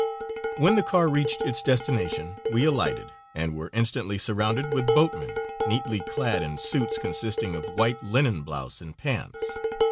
When the car reached its destination we alighted, and were instantly surrounded with boatman, neatly clad in suits consisting of white linen blouse and pants.